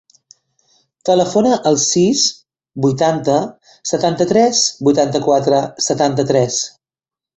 Telefona al sis, vuitanta, setanta-tres, vuitanta-quatre, setanta-tres.